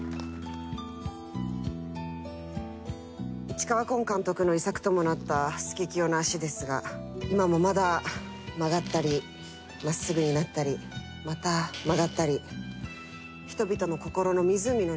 市川崑監督の遺作ともなったスケキヨの足ですが今もまだ曲がったり真っすぐになったりまた曲がったり。